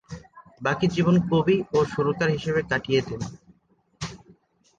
বাকি জীবন কবি ও সুরকার হিসেবে কাটিয়ে দেন।